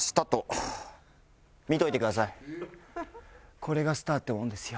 これがスターってもんですよ。